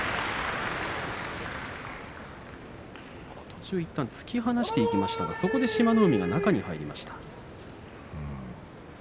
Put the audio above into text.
途中いったん突き放していきましたが、そこで志摩ノ海が中に入りました。